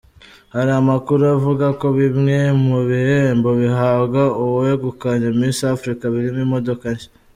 Hari amakuru avuga ko bimwe mu bihembo bihabwa uwegukanye Miss Africa birimo imodoka nshya.